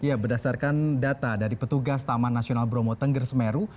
ya berdasarkan data dari petugas taman nasional bromo tengger semeru